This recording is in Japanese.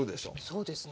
そうですね。